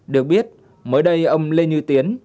được biết mới đây ông lê như tiến